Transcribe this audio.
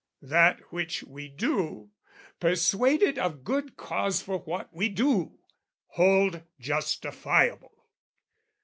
That which we do, persuaded of good cause For what we do, hold justifiable!